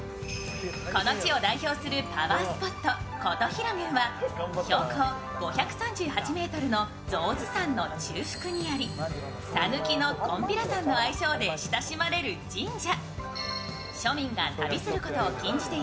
この地を代表するパワースポット金刀比羅宮は標高５３８ｍの象頭山の中腹にありさぬきのこんぴらさんの愛称で親しまれる神社。